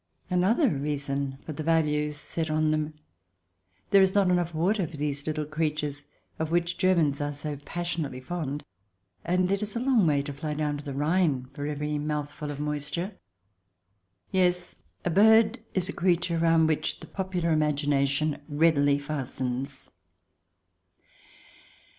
Another reason for the value set on them ; there is not enough water for these little creatures of which Germans are so passionately fond, and it is a long way to fly down to the Rhine for every mouthful of moisture. Yes, a bird is a creature round which the popular imagination readily fastens.